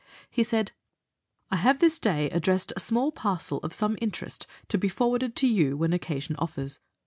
he said " I have this day addressed a small parcel of some interest to be forwarded to you when occasion offers.